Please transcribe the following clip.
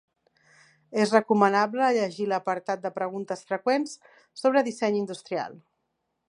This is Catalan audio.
És recomanable llegir l'apartat de preguntes freqüents sobre disseny industrial.